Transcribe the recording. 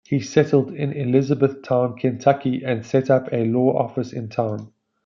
He settled in Elizabethtown, Kentucky, and set up a law office in town.